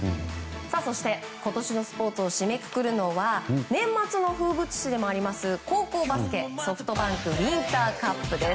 そして今年のスポーツを締めくくるのは年末の風物詩でもある高校バスケＳｏｆｔＢａｎｋウインターカップです。